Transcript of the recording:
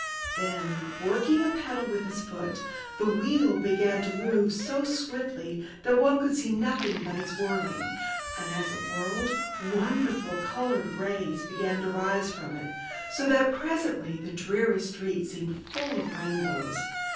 Then, working a pedal with his foot, the wheel began to move so swiftly that one could see nothing but its whirling; and as it whirled, wonderful colored rays began to rise from it, so that presently the dreary street seemed full of rainbows.